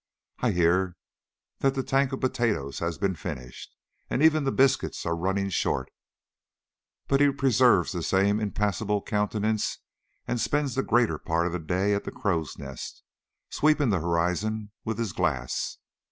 I hear that the tank of potatoes has been finished, and even the biscuits are running short, but he preserves the same impassible countenance, and spends the greater part of the day at the crow's nest, sweeping the horizon with his glass.